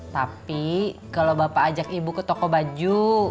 tapi kalau bapak ajak ibu ke toko baju